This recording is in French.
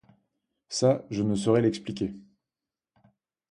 Ça, je ne saurais l'expliquer.